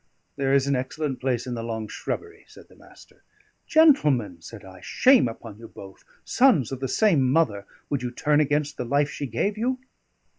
"There is an excellent place in the long shrubbery," said the Master. "Gentlemen," said I, "shame upon you both! Sons of the same mother, would you turn against the life she gave you?"